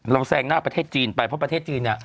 เราแซงหน้าประเทศจีนไปเพราะประเทศจีน